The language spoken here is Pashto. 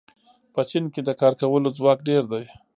په چین کې د کار کولو ځواک ډېر دی.